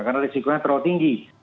karena resikonya terlalu tinggi